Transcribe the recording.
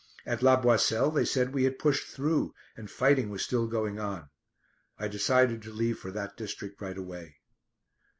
At La Boisselle they said we had pushed through, and fighting was still going on. I decided to leave for that district right away.